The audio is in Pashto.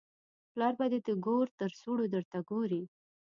پلار به دې د ګور تر سوړو درته ګوري.